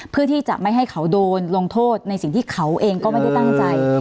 เพื่อที่จะไม่ให้เขาโดนลงโทษในสิ่งที่เขาเองก็ไม่ได้ตั้งใจ